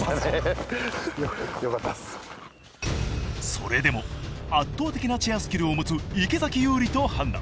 それでも圧倒的なチェアスキルを持つ池崎有利と判断。